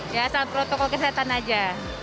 ya asal protokol kesehatan aja